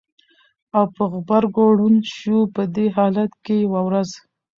او په غبرګو ړوند شو! په دې حالت کې یوه ورځ